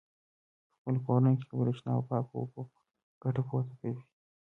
په خپلو کورونو کې له برېښنا او پاکو اوبو ګټه پورته کوي.